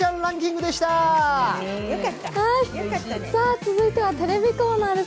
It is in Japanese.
続いてはテレビコーナーです。